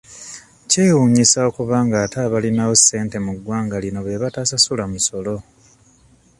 Kyewuunyisa okuba nga ate abalinawo ssente mu ggwanga lino be batasasula musolo.